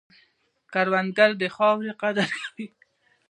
کروندګر د خاورې قدر کوي